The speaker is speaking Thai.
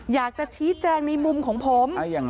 อยากจะชี้แจงในมุมของผม